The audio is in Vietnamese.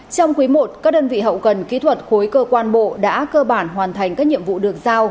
trong quý i các đơn vị hậu cần kỹ thuật khối cơ quan bộ đã cơ bản hoàn thành các nhiệm vụ được giao